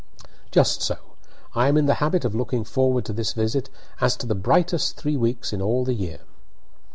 "Just so. I am in the habit of looking forward to this visit as to the brightest three weeks in all the year."